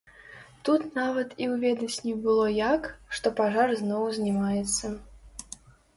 Тут нават і ўведаць не было як, што пажар зноў узнімаецца.